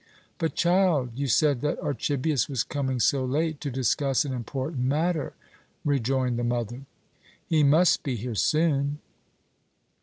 "But, child, you said that Archibius was coming so late to discuss an important matter," rejoined the mother. "He must be here soon."